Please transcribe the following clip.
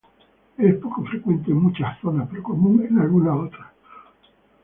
Es poco frecuente en muchas zonas, pero común en algunas otras.